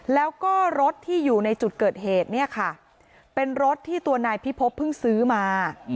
แล้วก็รถที่อยู่ในจุดเกิดเหตุเนี่ยค่ะเป็นรถที่ตัวนายพิพบเพิ่งซื้อมา